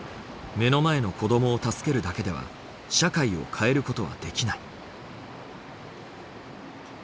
目の前の子どもを助けるだけでは社会を変えることはできない。